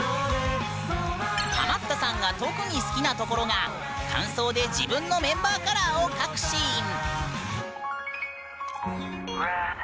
ハマったさんが特に好きなところが間奏で自分のメンバーカラーを描くシーン。